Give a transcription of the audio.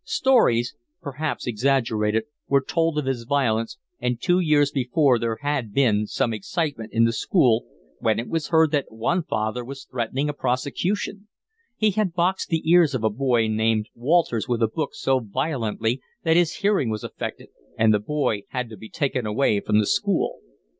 Stories, perhaps exaggerated, were told of his violence, and two years before there had been some excitement in the school when it was heard that one father was threatening a prosecution: he had boxed the ears of a boy named Walters with a book so violently that his hearing was affected and the boy had to be taken away from the school.